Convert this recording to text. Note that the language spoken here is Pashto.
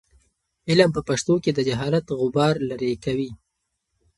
علم په پښتو کې د جهالت غبار لیرې کوي.